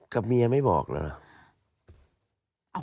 กับเมียไม่บอกเหรอ